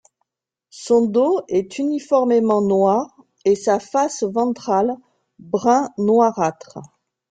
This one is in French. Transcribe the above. Son dos est uniformément noir et sa face ventrale brun noirâtre.